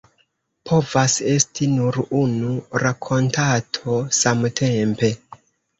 Povas esti nur unu rakontanto samtempe.